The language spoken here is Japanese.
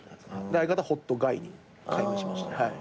相方「ホットガイ」に改名しまして。